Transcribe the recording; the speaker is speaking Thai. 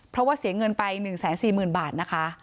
เพราะว่าเสียเงินไป๑๔๐๐๐บาทนะคะ